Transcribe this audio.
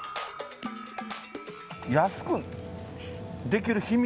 安くできる秘密？